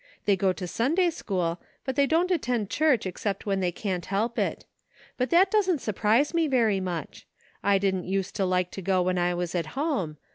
They go to Sunday school, but they don't attend church except when they can't help it. But that doesn't surprise me very much. I didn't use to like to go when I was at home.